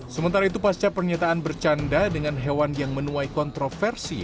sementara itu pasca pernyataan bercanda dengan hewan yang menuai kontroversi